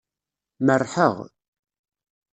Merrḥeɣ.